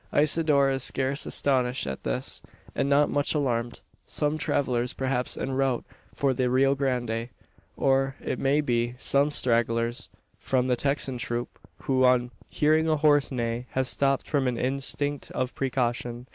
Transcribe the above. Isidora is scarce astonished at this, and not much alarmed. Some travellers, perhaps, en route for the Rio Grande or, it may be, some stragglers from the Texan troop who, on hearing a horse neigh, have stopped from an instinct of precaution.